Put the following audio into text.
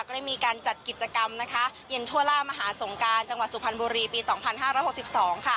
ก็ได้มีการจัดกิจกรรมเย็นทั่วล่ามหาสงการจังหวัดสุพรรณบุรีปีสองพันห้าร้อยหกสิบสอง